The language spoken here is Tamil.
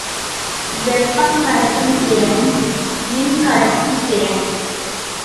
வெப்பங் கடத்தும் திறன், மின்கடத்தும் திறன்.